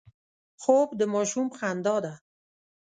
خوب د ماشوم خندا ده